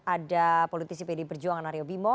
ada politisi pdip berjuang anario bimo